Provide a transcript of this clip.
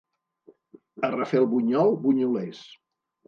A Rafelbunyol, bunyolers.